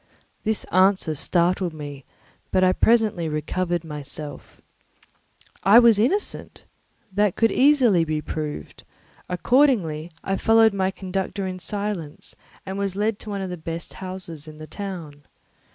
This answer startled me, but I presently recovered myself. I was innocent; that could easily be proved; accordingly I followed my conductor in silence and was led to one of the best houses in the town.